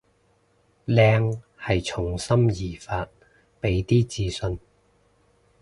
靚係從心而發，畀啲自信